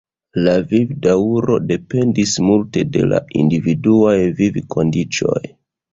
La vivdaŭro dependis multe de la individuaj vivkondiĉoj.